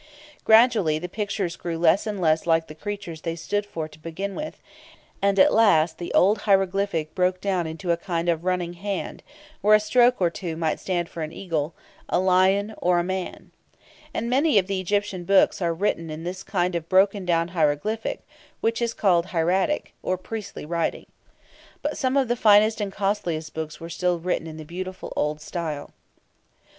Gradually the pictures grew less and less like the creatures they stood for to begin with, and at last the old hieroglyphic broke down into a kind of running hand, where a stroke or two might stand for an eagle, a lion, or a man. And very many of the Egyptian books are written in this kind of broken down hieroglyphic, which is called "hieratic," or priestly writing. But some of the finest and costliest books were still written in the beautiful old style.